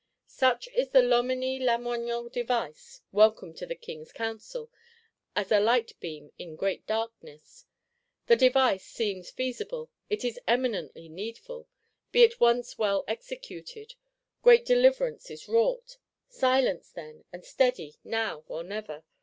Such is the Loménie Lamoignon device; welcome to the King's Council, as a light beam in great darkness. The device seems feasible, it is eminently needful: be it once well executed, great deliverance is wrought. Silent, then, and steady; now or never!